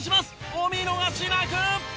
お見逃しなく！